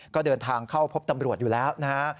ก็เดินทางเข้าพบตำรวจอยู่แล้วนะฮะ